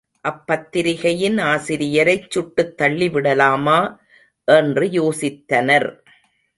அப்பத்திரிகையின் ஆசிரியரைச் சுட்டுத்தள்ளிவிடலாமா என்று யோசித்தனர்.